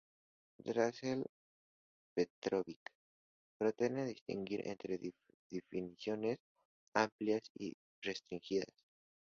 Drazen Petrovic propone distinguir entre definiciones amplias y restringidas.